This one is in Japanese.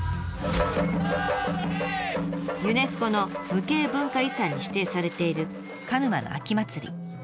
ユネスコの無形文化遺産に指定されている鹿沼の秋まつり。